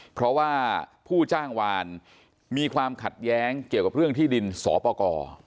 เพราะว่าผู้จ้างวานมีความขัดแย้งเกี่ยวกับเรื่องที่ดินสอปกร